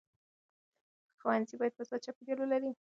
ښوونځی باید مثبت چاپېریال ولري.